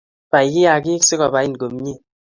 Pai kiakik sikubain komyee